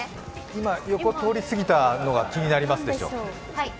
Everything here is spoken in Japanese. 今、横、通り過ぎたのが気になりますでしょ。